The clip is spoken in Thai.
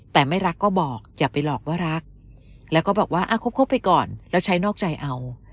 แต่ไม่รักก็บอกอย่าไปหลอกว่ารักแล้วก็บอกว่าคบไปก่อนแล้วใช้นอกใจเอา